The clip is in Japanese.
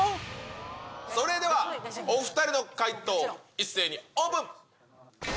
それではお２人の回答、一斉にオープン。